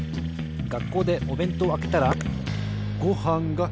がっこうでおべんとうをあけたらごはんがふたつ。